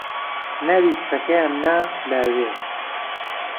ناوی کچەکەیان نا لاوێن